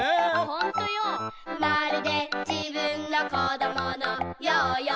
「ほんとよ、まるで自分の小どものようよ」